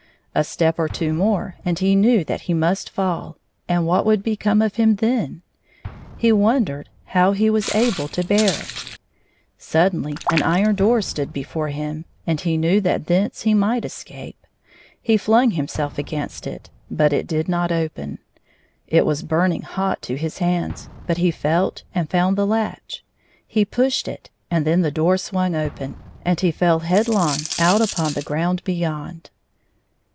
A step or two more, and he knew that he must fall, and what would be come of him then 1 He wondered how he was able to bear it. Suddenly an iron door stood before him, and he knew that thence he might escape. He flung him self against it, but it did not open. It was burning hot to his hands, but he felt and found the latch. He pushed it, and then the door swung open, and he fell headlong out upon the ground beyond.